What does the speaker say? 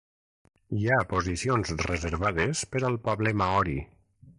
Hi ha posicions reservades per al poble maori.